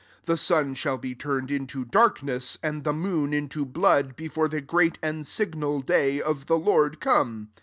20 The sun shall be turned into darkness, and the moon into blood, before the great and signal day of the Lord come.